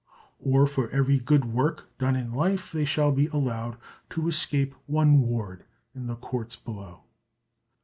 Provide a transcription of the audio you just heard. Or for every good work done in life they shall be allowed to escape one ward in the Courts below.